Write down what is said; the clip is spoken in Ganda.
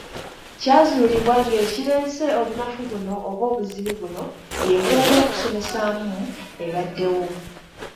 Kyazuulibwa ng'ekireese obunafu buno oba obuzibu buno y’enkola y’okusomesaamu ebaddewo.